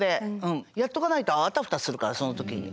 やっとかないとあたふたするからその時に。